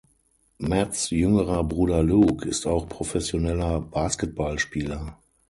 Matts jüngerer Bruder Luke ist auch professioneller Basketballspieler.